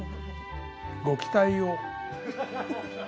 ご期待を。